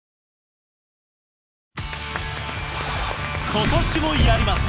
今年もやります！